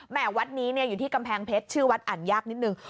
วัดนี้อยู่ที่กำแพงเพชรชื่อวัดอ่านยากนิดนึง